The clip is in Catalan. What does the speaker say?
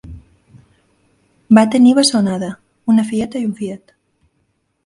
Va tenir bessonada: una filleta i un fillet